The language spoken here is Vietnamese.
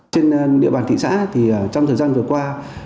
trên địa bàn thị xã thì trong thời gian vừa qua